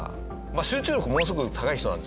集中力ものすごい高い人なんですよね